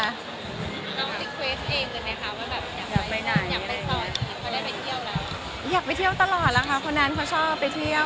น้องสิเควสเองเลยไหมค่ะว่าแบบอยากไปที่นี่เค้าได้ไปเที่ยวแล้ว